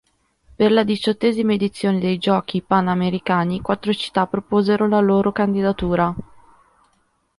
Per la diciottesima edizione dei Giochi panamericani quattro città proposero la loro candidatura.